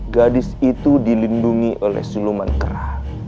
gadis itu dilindungi oleh siluman kera